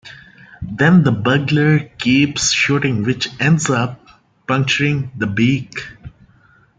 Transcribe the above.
Then the burglar keeps shooting which ends up puncturing the beak.